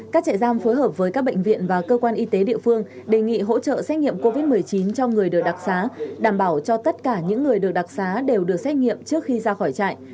các trại giam phối hợp với các bệnh viện và cơ quan y tế địa phương đề nghị hỗ trợ xét nghiệm covid một mươi chín cho người được đặc xá đảm bảo cho tất cả những người được đặc xá đều được xét nghiệm trước khi ra khỏi trại